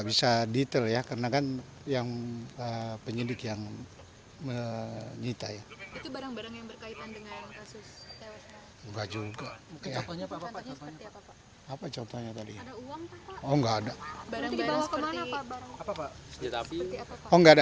kisah kisah yang terjadi di indonesia